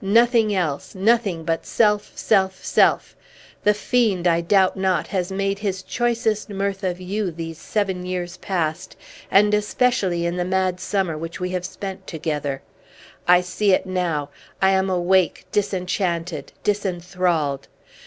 "Nothing else; nothing but self, self, self! The fiend, I doubt not, has made his choicest mirth of you these seven years past, and especially in the mad summer which we have spent together. I see it now! I am awake, disenchanted, disinthralled!